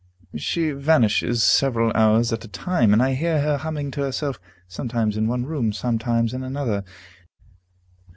She vanishes several hours at a time, and I hear her humming to herself, sometimes in one room, sometimes in another.